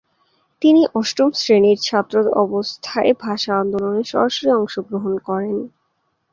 তিনি অষ্টম শ্রেণীর ছাত্র অবস্থায় ভাষা আন্দোলনে সরাসরি অংশগ্রহণ করেন।